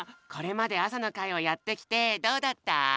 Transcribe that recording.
これまであさのかいをやってきてどうだった？